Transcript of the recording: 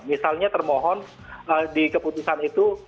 misalnya termohon di keputusan itu